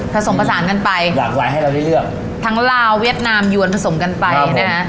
ผสมผสานกันไปหลากหลายให้เราได้เลือกทั้งลาวเวียดนามยวนผสมกันไปนะคะ